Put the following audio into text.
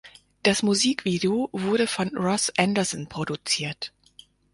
Das Musikvideo wurde von Ross Anderson produziert.